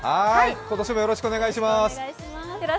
今年もよろしくお願いします。